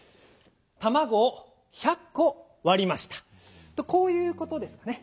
「たまごを１００こわりました」とこういうことですね？